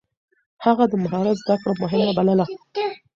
هغه د مهارت زده کړه مهمه بلله.